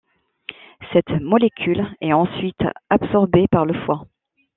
Cette molécule est ensuite absorbée par le foie.